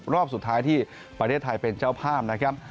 รอบสุดท้ายที่ประเทศไทยเป็นเจ้าพร่ำ